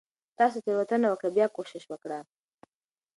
تاسو تيروتنه وکړه . بيا کوشش وکړه